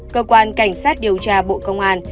cơ quan cảnh sát điều tra bộ công an